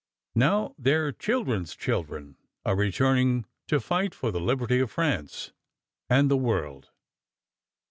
Now their children's children are returning to fight for the liberty of France and the world.